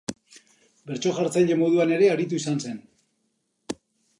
Bertso-jartzaile moduan ere aritu izan zen.